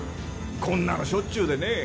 こんなのしょっちゅうでね。